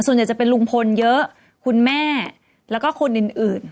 ส่วนใหญ่จะเป็นลุงพลเยอะคุณแม่แล้วก็คนอื่น